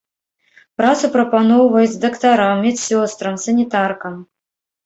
Працу прапаноўваюць дактарам, медсёстрам, санітаркам.